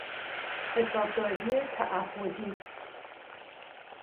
حسابداری تعهدی